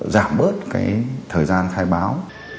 giảm bớt cái thời gian khai báo